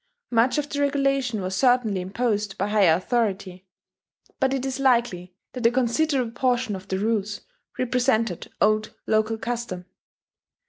Much of the regulation was certainly imposed by higher authority; but it is likely that a considerable portion of the rules represented old local custom.